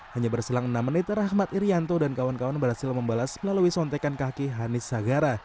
hanya berselang enam menit rahmat irianto dan kawan kawan berhasil membalas melalui sontekan kaki hanis sagara